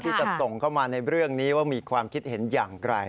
ที่จะส่งเข้ามาในเรื่องนี้ว่ามีความคิดเห็นอย่างไร